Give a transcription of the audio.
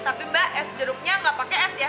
tapi mbak es jeruknya gak pake es ya